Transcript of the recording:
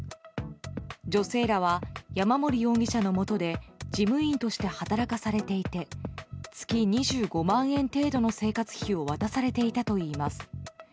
女性らは山森容疑者のもとで事務員として働かされていて月２５万円程度の生活費を渡されていたといいます。